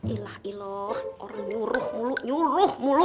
ilah iloh orang nyuruh mulu nyuruh mulu